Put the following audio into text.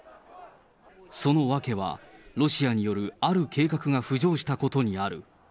その訳は、ロシアによるある計画が浮上したことにある。